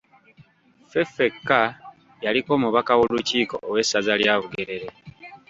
Feffeka yaliko omubaka w’olukiiko ow’essaza lya Bugerere.